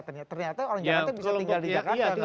ternyata orang jakarta bisa tinggal di jakarta